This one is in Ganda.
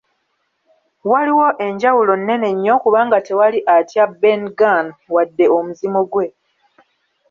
Waliwo enjawulo nnene nnyo, kubanga tewali atya Ben Gunn wadde omuzimu gwe.